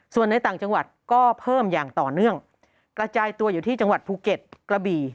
ส่วนในต่างจังหวัดก็เพิ่มอย่างต่อเนื่องกระจายตัวอยู่ที่จังหวัดภูเก็ตกระบี่